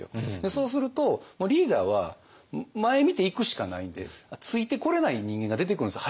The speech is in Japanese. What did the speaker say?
そうするとリーダーは前見ていくしかないんでついてこれない人間が出てくるんですよ。